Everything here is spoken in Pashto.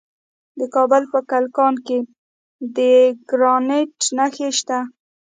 د کابل په کلکان کې د ګرانیټ نښې شته.